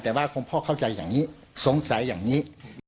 แต่ว่าคุณพ่อเข้าใจอย่างนี้สงสัยอย่างนี้